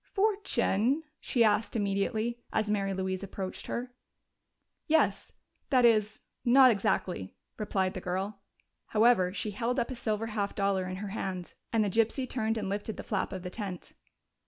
"Fortune?" she asked immediately, as Mary Louise approached her. "Yes that is not exactly," replied the girl. However, she held up a silver half dollar in her hand, and the gypsy turned and lifted the flap of the tent.